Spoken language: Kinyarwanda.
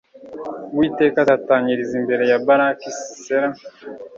uwiteka atatanyiriza imbere ya baraki sisera